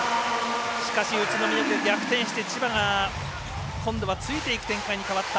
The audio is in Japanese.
しかし、宇都宮、逆転して千葉が今度はついていく展開に変わった。